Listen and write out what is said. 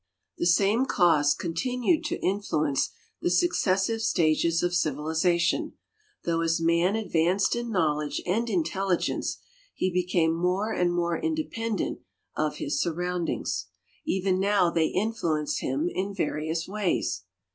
The same cause continued to influence the successive stages of civilization, though as man advanced in knowledge and intelligence he became more and more independent of his surroundings. Even now . they influence him in various ways.